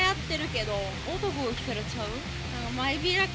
男が着たらちゃう？